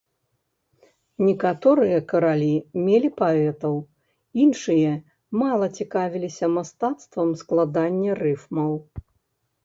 Некаторыя каралі мелі паэтаў, іншыя мала цікавіліся мастацтвам складання рыфмаў.